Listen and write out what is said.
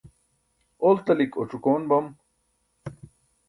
oltalik oc̣ukoon bam